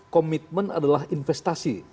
komitmen adalah investasi